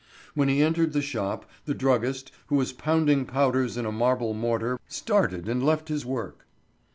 When he entered the shop, the druggist, who was pounding powders in a marble mortar, started and left his work.